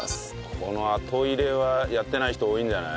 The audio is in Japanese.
この後入れはやってない人多いんじゃない？